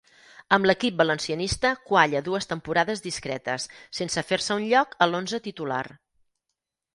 Amb l'equip valencianista qualla dues temporades discretes, sense fer-se un lloc a l'onze titular.